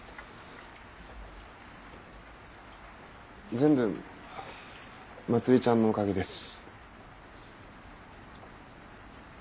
全部茉莉ちゃんのおかげです。